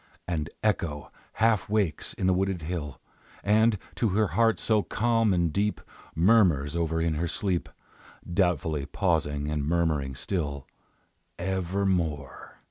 And Echo half wakes in the wooded hill, And, to her heart so calm and deep, Murmurs over in her sleep, Doubtfully pausing and murmuring still, "Evermore!"